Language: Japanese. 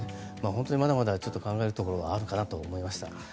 本当にまだまだちょっと考えるところがあるかなと思いました。